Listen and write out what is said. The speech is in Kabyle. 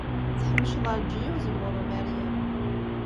Tḥemceḍ Ɛelǧiya n Uzemmur Umeryem.